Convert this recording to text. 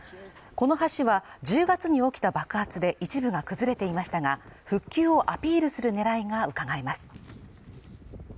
この橋は１０月に起きた爆発で一部が崩れていましたが復旧をアピールするねらいがうかがえます